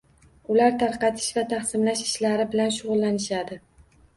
Ular tarqatish va taqsimlash ishlari bilan shugʻullanishadi.